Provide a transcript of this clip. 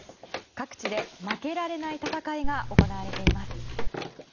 各地で負けられない戦いが行われています。